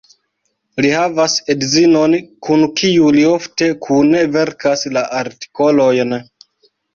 Li havas edzinon kun kiu li ofte kune verkas la artikolojn.